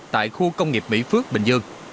tại khu công nghiệp mỹ phước bình dương